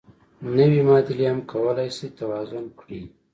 نورې معادلې هم کولای شئ توازن کړئ.